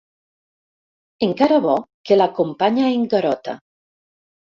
Encara bo que l'acompanya en Garota.